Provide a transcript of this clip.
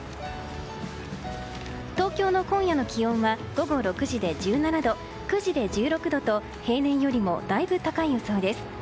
東京の今夜の気温は午後６時で１７度９時で１６度と平年よりもだいぶ高い予想です。